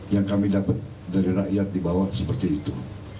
yang kami dapat dari rakyat di bawah seperti itu